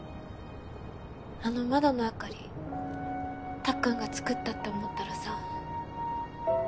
あの窓の明かりたっくんが作ったって思ったらさ。